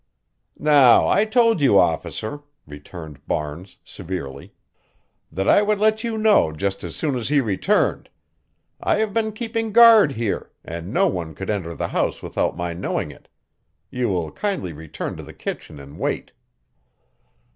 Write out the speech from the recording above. "Now, I told you, Officer," returned Barnes severely, "that I would let you know just as soon as he returned. I have been keeping guard here, and no one could enter the house without my knowing it. You will kindly return to the kitchen and wait."